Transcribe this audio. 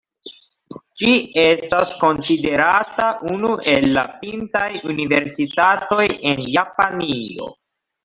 Ĝi estas konsiderata unu el la pintaj universitatoj en Japanio.